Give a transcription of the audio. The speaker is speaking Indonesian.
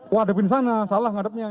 wah depan sana salah ngadepnya ini